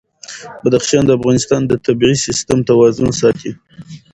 بدخشان د افغانستان د طبعي سیسټم توازن ساتي.